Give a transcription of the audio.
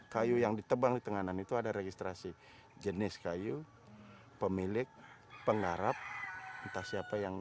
kayu yang ditebang di tenganan itu ada registrasi jenis kayu pemilik penggarap entah siapa yang